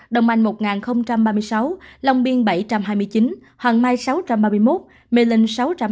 đồng anh một ba mươi sáu lòng biên bảy trăm hai mươi chín hoàng mai sáu trăm ba mươi một mê linh sáu trăm hai mươi năm